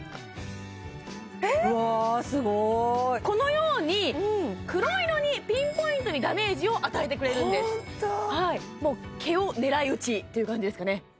このように黒色にピンポイントにダメージを与えてくれるんですもう毛を狙い撃ちという感じですかね